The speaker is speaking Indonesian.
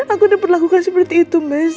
aku udah perlakukan seperti itu mas